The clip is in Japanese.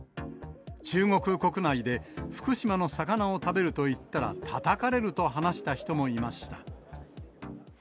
中国国内で、福島の魚を食べると言ったらたたかれると話した人もいました。